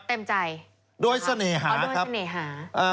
เต็มใจครับโดยเสน่หาครับอ๋อโดยเสน่หา